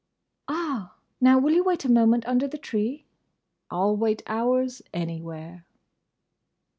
"Ah!—Now, will you wait a moment under the tree?" "I'll wait hours, anywhere!"